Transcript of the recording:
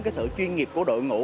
đến sự chuyên nghiệp của đội ngũ